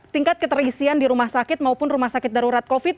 tingkat keterisian di rumah sakit maupun rumah sakit darurat covid sembilan belas